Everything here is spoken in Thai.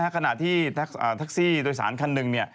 ขณะที่แท็กซี่โดยสารคันหนึ่ง